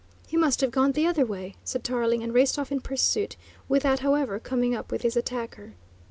"He must have gone the other way," said Tarling, and raced off in pursuit, without, however, coming up with his attacker.